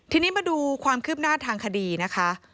ทีนี้มาดูความคืบหน้าทางคดีนะคะ